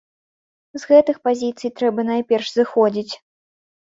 З гэтых пазіцый трэба найперш зыходзіць.